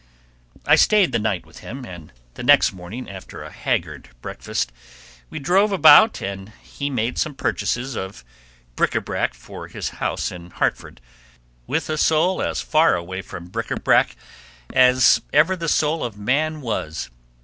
I stayed the night with him, and the next morning, after a haggard breakfast, we drove about and he made some purchases of bric a brac for his house in Hartford, with a soul as far away from bric a brac as ever the soul of man was.